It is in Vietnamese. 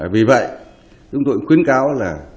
vì vậy chúng tôi khuyến cáo là